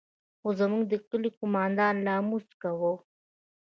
خو زموږ د کلي قومندان لا لمونځ کاوه.